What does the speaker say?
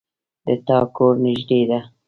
د تا کور نږدې ده